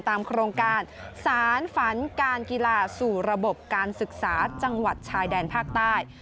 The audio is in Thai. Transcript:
โครงการสารฝันการกีฬาสู่ระบบการศึกษาจังหวัดชายแดนภาคใต้